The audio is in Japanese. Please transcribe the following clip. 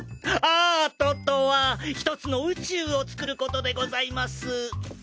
アートとはひとつの宇宙を作ることでございます。